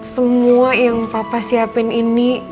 semua yang papa siapin ini